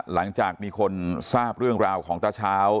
หลังจากมีคนทราบเรื่องราวของตาเช้า